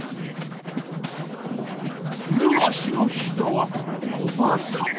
ふる足のひざはのばす。